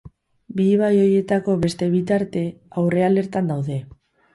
Bi ibai horietako beste bi tarte aurrealertan daude.